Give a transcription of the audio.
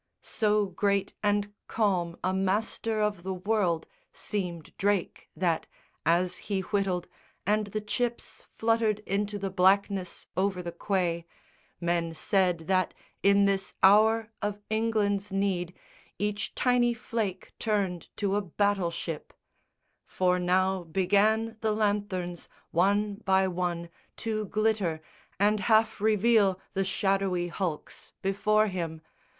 So great and calm a master of the world Seemed Drake that, as he whittled, and the chips Fluttered into the blackness over the quay, Men said that in this hour of England's need Each tiny flake turned to a battle ship; For now began the lanthorns, one by one, To glitter, and half reveal the shadowy hulks Before him.